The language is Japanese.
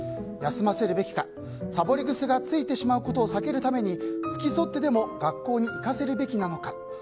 休ませるべきか、さぼり癖がついてしまうことを避けるために付き添ってでも学校に行かせるべきなのか。